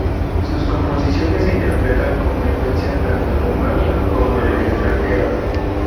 Sus composiciones se interpretan con frecuencia, tanto en Rumanía como en el extranjero.